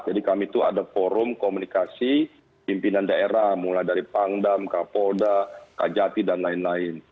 jadi kami itu ada forum komunikasi pimpinan daerah mulai dari pangdam kapolda kajati dan lain lain